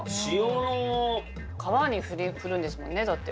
皮にふるんですもんねだって。